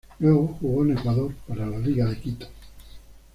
Luego jugó en Ecuador, para la Liga de Quito.